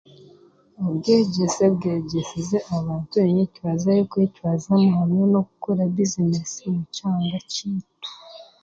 Obwegyese bwegyesize abantu enyetwaza y'okwetwazamu hamwe n'okukora bizineesi omu kyanga kyaitu